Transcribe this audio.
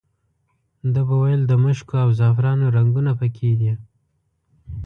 ده به ویل د مشکو او زعفرانو رنګونه په کې دي.